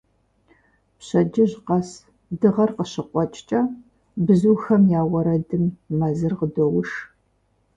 Пщэддыжь къэс, дыгъэр къыщыкъуэкӀкӀэ, бзухэм я уэрэдым мэзыр къыдоуш.